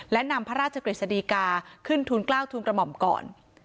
และนำพระราชกฤษฎีกาขึ้นทุนกล้าวทุนกระหม่อมก่อน